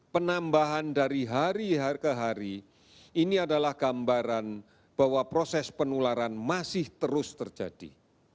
penambahan dari hari ke hari ini adalah gambaran bahwa proses penularan masih terus terjadi